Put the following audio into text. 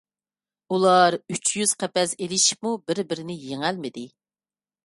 ئۇلار ئۈچ يۈز قەپەس ئېلىشىپمۇ بىر - بىرىنى يېڭەلمىدى.